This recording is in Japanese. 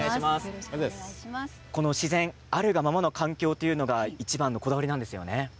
自然、あるがままの環境がいちばんのこだわりなんですね。